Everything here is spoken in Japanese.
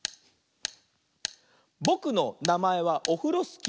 「ぼくのなまえはオフロスキー」